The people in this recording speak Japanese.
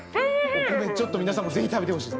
お米ちょっと皆さんもぜひ食べてほしい。